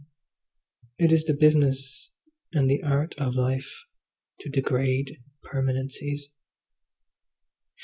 It is the business and the art of life to degrade permanencies.